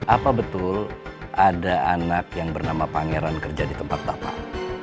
apa betul ada anak yang bernama pangeran kerja di tempat bapak